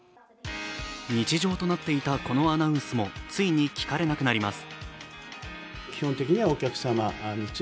日常となっていたこのアナウンスもついに聞かれなくなります。